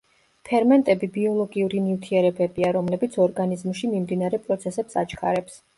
ფერმენტები ბიოლოგიური ნივთიერებებია, რომლებიც ორგანიზმში მიმდინარე პროცესებს აჩქარებს.